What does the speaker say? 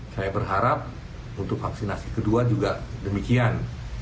saya berharap untuk vaksinasi kedua juga demikian